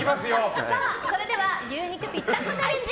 それでは牛肉ぴったんこチャレンジ